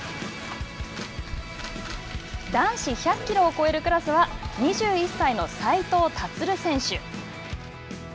男子１００キロを超えるクラスは２１歳の斉藤立選手。